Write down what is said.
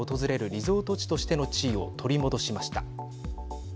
リゾート地としての地位を取り戻しました。